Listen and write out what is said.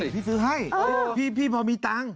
พี่ซื้อให้พี่พอมีตังค์